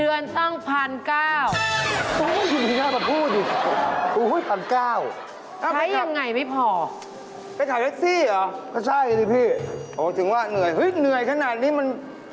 เออไปขับเซ็กซี่มา